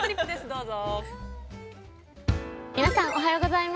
どうぞ。